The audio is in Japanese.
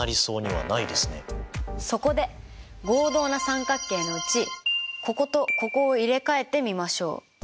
そこで合同な三角形のうちこことここを入れ替えてみましょう。